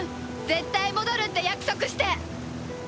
絶対戻るって約束して！